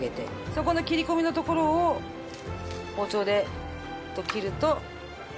そこの切り込みのところを包丁で切ると。